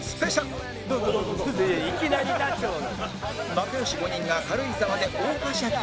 仲良し５人が軽井沢で大はしゃぎ